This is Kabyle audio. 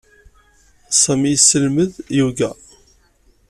Sami yesselmed ayuga.